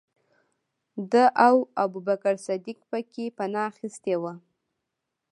ده او ابوبکر صدیق پکې پنا اخستې وه.